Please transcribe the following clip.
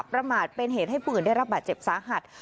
ประมาทเป็นเหตุให้ผู้อื่นได้รับบาดเจ็บสาหัส